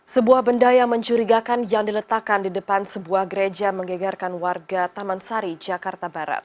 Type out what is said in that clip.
sebuah benda yang mencurigakan yang diletakkan di depan sebuah gereja menggegarkan warga taman sari jakarta barat